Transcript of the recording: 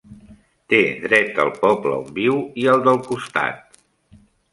Té dret al poble on viu i al del costat.